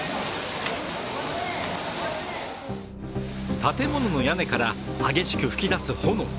建物の屋根から激しく吹き出す炎。